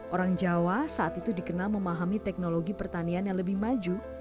orang jawa saat itu dikenal memahami teknologi pertanian yang lebih maju